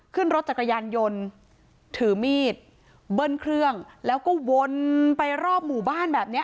ขึ้นรถจักรยานยนต์ถือมีดเบิ้ลเครื่องแล้วก็วนไปรอบหมู่บ้านแบบนี้